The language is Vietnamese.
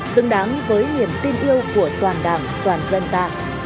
xứng đáng với niềm tin yêu của toàn đảng toàn dân ta